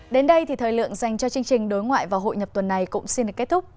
đến đây thì thời lượng dành cho chương trình đối ngoại và hội nhập tuần này cũng xin được kết thúc